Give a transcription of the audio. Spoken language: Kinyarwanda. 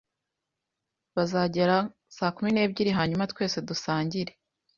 Bazagera saa kumi n'ebyiri, hanyuma twese dusangire